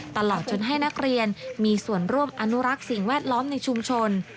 ตลอดจนให้นักเรียนมีส่วนร่วมอนุรักษ์สิ่งแวดล้อมในชุมชน